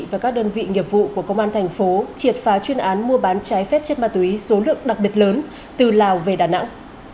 và các đơn vị nghiệp vụ của công an thành phố triệt phá chuyên án mua bán trái phép chất ma túy số lượng đặc biệt lớn từ lào về đà nẵng